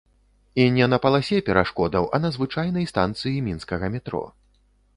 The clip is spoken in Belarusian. І не на паласе перашкодаў, а на звычайнай станцыі мінскага метро.